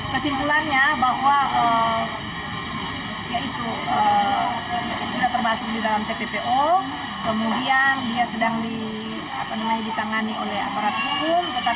kesimpulannya bahwa ya itu sudah terbahas di dalam tpto